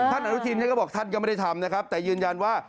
อนุทินท่านก็บอกท่านก็ไม่ได้ทำนะครับแต่ยืนยันว่า